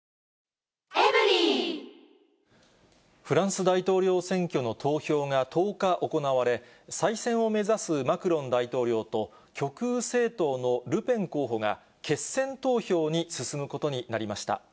フランス大統領選挙の投票が１０日、行われ、再選を目指すマクロン大統領と、極右政党のルペン候補が、決選投票に進むことになりました。